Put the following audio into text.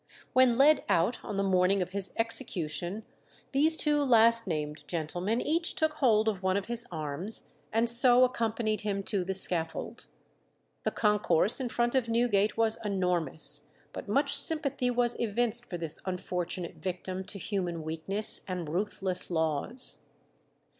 When led out on the morning of his execution, these two last named gentlemen each took hold of one of his arms, and so accompanied him to the scaffold. The concourse in front of Newgate was enormous, but much sympathy was evinced for this unfortunate victim to human weakness and ruthless laws.